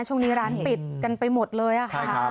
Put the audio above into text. ช่วงนี้ร้านปิดกันไปหมดเลยค่ะ